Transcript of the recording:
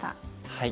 はい。